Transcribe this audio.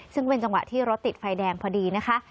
ซึ่งเป็นจังหวะที่รถติดไฟแดงพอดีนะคะ